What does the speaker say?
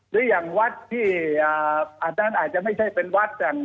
หรืออย่างวัดที่อาจารย์อาจจะไม่ใช่เป็นวัด